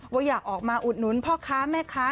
ว่าอยากออกมาอุดหนุนพ่อค้าแม่ค้า